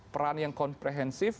peran yang komprehensif